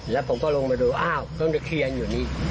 แล้วผมก็ลงมาดูอ้าวต้นตะเคียนอยู่นี่